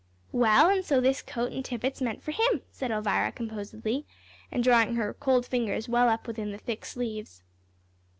"Well, an' so this coat an' tippet's meant for him," said Elvira, composedly, and drawing her cold fingers well up within the thick sleeves.